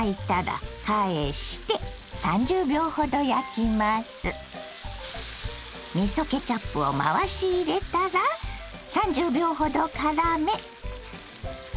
肉はみそケチャップを回し入れたら３０秒ほどからめ